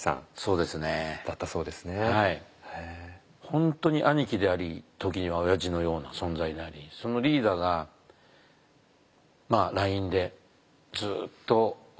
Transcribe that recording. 本当に兄貴であり時にはおやじのような存在でありそのリーダーがＬＩＮＥでずっと私に応援してくれてたんですよ。